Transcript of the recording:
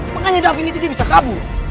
makanya davinity dia bisa kabur